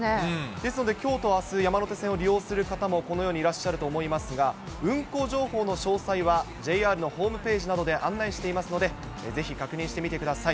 ですので、きょうとあす、山手線を利用する方もこのようにいらっしゃると思いますが、運行情報の詳細は、ＪＲのホームページなどで案内していますので、ぜひ確認してみてください。